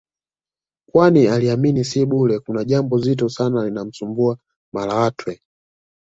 kwani aliamini si bure kuna jambo zito sana linalomsumbua Malatwe